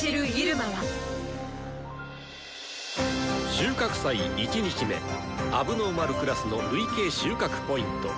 収穫祭１日目問題児クラスの累計収穫ポイント。